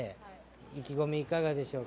意気込み、いかがでしょうか。